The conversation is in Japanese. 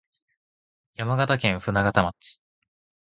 山形県舟形町